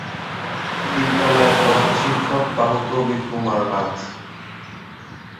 বিদ্যালয়ের প্রধান শিক্ষক বাবু প্রবীর কুমার নাথ।